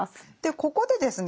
ここでですね